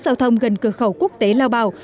giao thông gần cửa khẩu quốc tế lao bảo